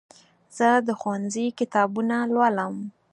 زه د ښوونځي کتابونه لولم.